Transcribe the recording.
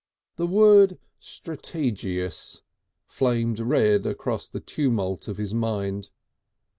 The word "strategious" flamed red across the tumult of his mind.